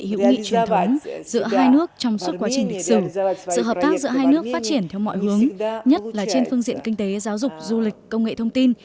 hợp tác giữa hai nước phát triển theo mọi hướng nhất là trên phương diện kinh tế giáo dục du lịch công nghệ thông tin